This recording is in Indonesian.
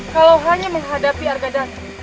kalau hanya menghadapi argadat